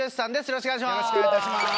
よろしくお願いします。